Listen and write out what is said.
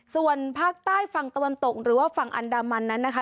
ส่วนภาคใต้ฝั่งตะวันตกหรือว่าฝั่งอันดามันนั้นนะคะ